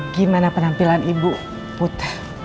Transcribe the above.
gimana penampilan ibu put